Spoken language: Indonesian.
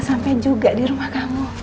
sampai juga di rumah kamu